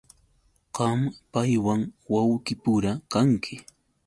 Qam paywan wawqipura kanki.